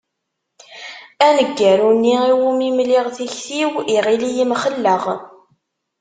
Aneggaru-nni iwumi mliɣ tikti-iw, iɣill-iyi mxelleɣ.